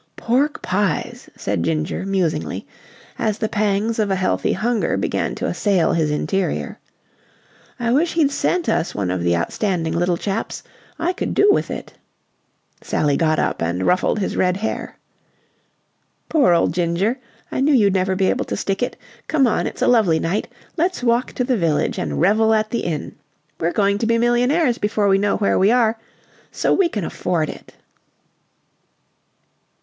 "Pork pies!" said Ginger, musingly, as the pangs of a healthy hunger began to assail his interior. "I wish he'd sent us one of the outstanding little chaps. I could do with it." Sally got up and ruffled his red hair. "Poor old Ginger! I knew you'd never be able to stick it. Come on, it's a lovely night, let's walk to the village and revel at the inn. We're going to be millionaires before we know where we are, so we can afford it."